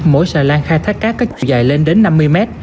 mỗi sà lan khai thác cát có chữ dài lên đến năm mươi mét